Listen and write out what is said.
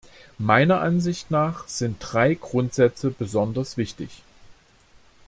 Meiner Ansicht nach sind drei Grundsätze besonders wichtig.